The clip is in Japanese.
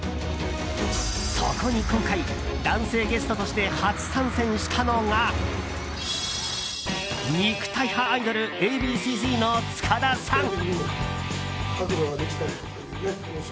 そこに今回男性ゲストとして初参戦したのが肉体派アイドルＡ．Ｂ．Ｃ‐Ｚの塚田さん。